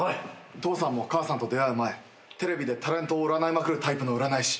父さんも母さんと出会う前テレビでタレントを占いまくるタイプの占い師目指してたって。